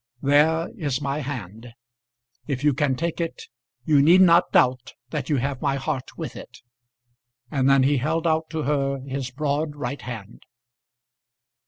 There is my hand; if you can take it you need not doubt that you have my heart with it." And then he held out to her his broad, right hand.